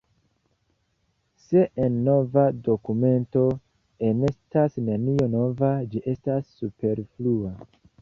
Se en nova dokumento enestas nenio nova, ĝi estas superflua.